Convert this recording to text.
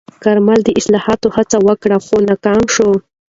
کارمل د اصلاحاتو هڅه وکړه، خو ناکامه شوه.